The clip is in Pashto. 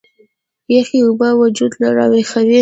يخې اوبۀ وجود راوېخوي